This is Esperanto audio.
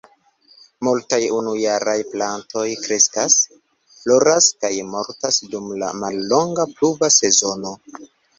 Multaj unujaraj plantoj kreskas, floras kaj mortas dum la mallonga pluva sezono.